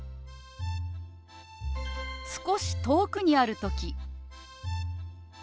少し遠くにある時。